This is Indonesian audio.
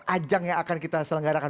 ajang yang akan kita selenggarakan